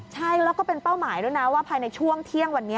ใช่แล้วก็เป็นเป้าหมายด้วยนะว่าภายในช่วงเที่ยงวันนี้